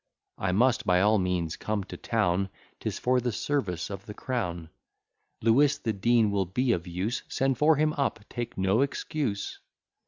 I must by all means come to town, 'Tis for the service of the crown. "Lewis, the Dean will be of use; Send for him up, take no excuse."